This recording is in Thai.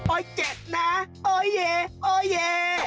โอ๊ยโอ๊ยเจ็ดนะโอ๊ยเย่โอ๊ยเย่